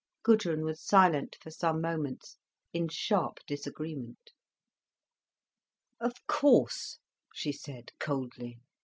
Gudrun was silent for some moments, in sharp disagreement. "Of course," she said coldly.